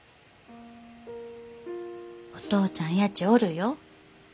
お父ちゃんやちおるよ。